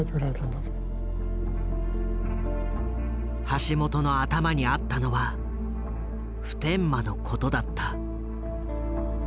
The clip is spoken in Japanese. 橋本の頭にあったのは普天間のことだった。